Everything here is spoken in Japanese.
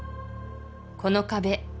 この壁